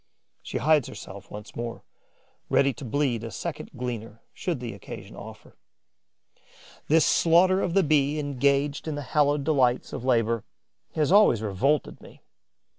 She hides herself once more, ready to bleed a second gleaner should the occasion offer. This slaughter of the Bee engaged in the hallowed delights of labour has always revolted me.